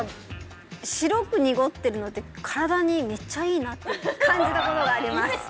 白く濁ってるのって身体にめっちゃいいなって感じたことがあります